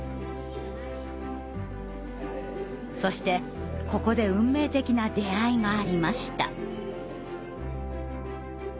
そしてここで運命的な出会いがありました。